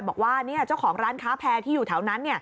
บอกว่าเจ้าของร้านค้าแพร่ที่อยู่แถวนั้น